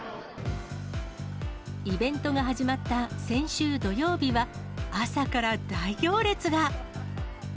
イベントが始まった先週土曜日は、朝から大行列が。